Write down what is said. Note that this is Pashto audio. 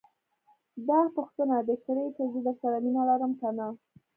داح پوښتنه دې کړې چې زه درسره مينه لرم که نه.